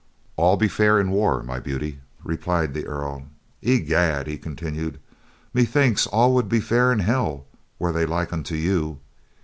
"All be fair in war, my beauty," replied the Earl. "Egad," he continued, "methinks all would be fair in hell were they like unto you.